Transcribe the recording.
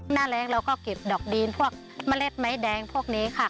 หน้าแรงเราก็เก็บดอกดีนพวกเมล็ดไม้แดงพวกนี้ค่ะ